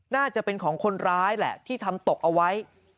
น่าจะเป็นของคนร้ายแหละที่ทำตกเอาไว้